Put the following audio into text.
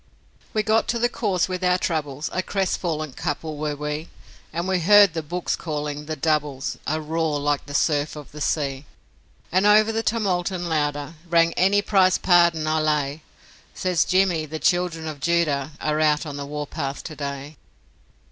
We got to the course with our troubles, A crestfallen couple were we; And we heard the 'books' calling the doubles A roar like the surf of the sea; And over the tumult and louder Rang 'Any price Pardon, I lay!' Says Jimmy, 'The children of Judah Are out on the warpath to day.'